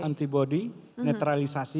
untuk kesehatan di dalam vaksinasi